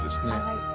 はい。